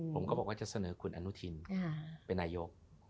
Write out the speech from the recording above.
ผมก็บอกว่าจะเสนอคุณอนุทินเป็นนายก